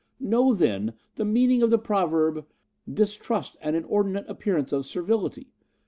Know then, the meaning of the proverb, "Distrust an inordinate appearance of servility.